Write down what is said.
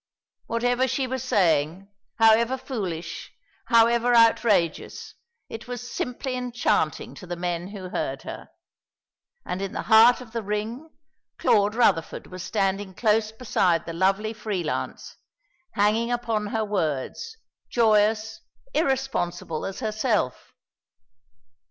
Whatever she was saying, however foolish, however outrageous, it was simply enchanting to the men who heard her; and in the heart of the ring Claude Rutherford was standing close beside the lovely freelance, hanging upon her words, joyous, irresponsible as herself.